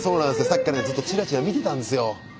さっきからずっとチラチラ見てたんですよ。